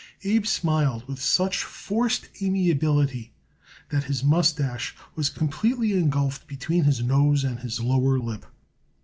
Abe smiled with such forced amiability that his mustache was completely engulfed between his nose and his lower lip.